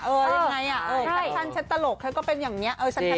เออยังไงอ่ะแคปชั่นฉันตลกเขาก็เป็นอย่างนี้เออฉันแฮปปี้